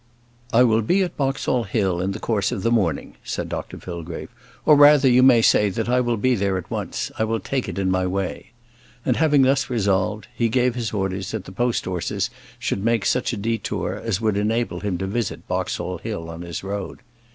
"I will be at Boxall Hill in the course of the morning," said Dr Fillgrave; "or, rather, you may say, that I will be there at once: I will take it in my way." And having thus resolved, he gave his orders that the post horses should make such a detour as would enable him to visit Boxall Hill on his road.